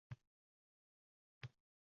Hamma hayron bo`lib Tiyokoga tikilib qoldi